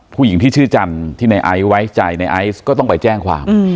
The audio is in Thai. ผู้หญิงที่ชื่อจันทร์ที่ในไอซ์ไว้ใจในไอซ์ก็ต้องไปแจ้งความ